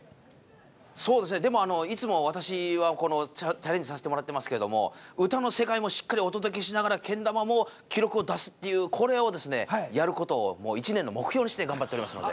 でも、いつも私はチャレンジさせてもらってますが歌の世界もしっかりお届けしながらけん玉も記録を出すというこれをやることを１年の目標にして頑張っていますので。